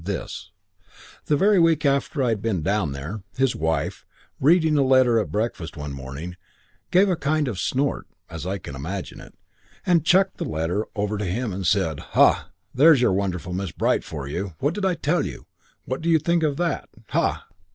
This: "The very week after I'd been down there, his wife, reading a letter at breakfast one morning, gave a kind of a snort (as I can imagine it) and chucked the letter over to him and said, 'Ha! There's your wonderful Miss Bright for you! What did I tell you? What do you think of that? Ha!'